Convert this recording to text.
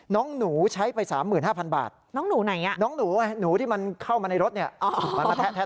น้องหนูใช้ไป๓๕๐๐๐บาทน้องหนูไหนอ่ะน้องหนูที่เข้ามาในรถเนี่ย